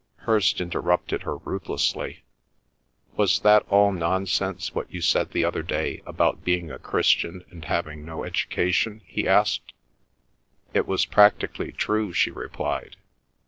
Hirst interrupted her ruthlessly. "Was that all nonsense what you said the other day about being a Christian and having no education?" he asked. "It was practically true," she replied.